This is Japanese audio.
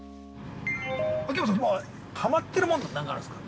◆秋山さん、今、ハマってるもんとか、何かあるんですか。